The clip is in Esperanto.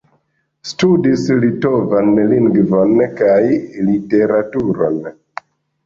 Studis litovan lingvon kaj literaturon.